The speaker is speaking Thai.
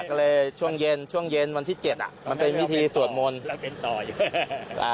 ก็เลยช่วงเย็นช่วงเย็นวันที่เจ็ดอ่ะมันเป็นวิธีสวดมนต์